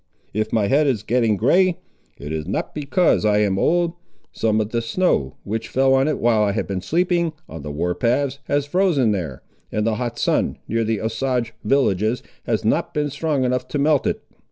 If my head is getting grey, it is not because I am old. Some of the snow, which fell on it while I have been sleeping on the war paths, has frozen there, and the hot sun, near the Osage villages, has not been strong enough to melt it."